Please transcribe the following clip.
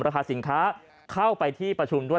ราคาสินค้าเข้าไปที่ประชุมด้วย